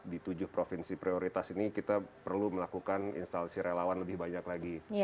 di tujuh provinsi prioritas ini kita perlu melakukan instalasi relawan lebih banyak lagi